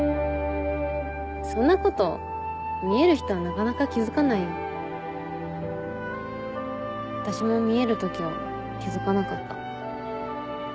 そんなこと見える人はなかなか気付かないよ。私も見える時は気付かなかった。